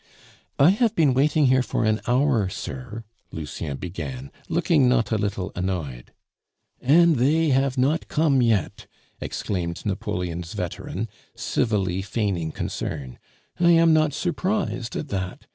"I have been waiting here for an hour, sir," Lucien began, looking not a little annoyed. "And 'they' have not come yet!" exclaimed Napoleon's veteran, civilly feigning concern. "I am not surprised at that.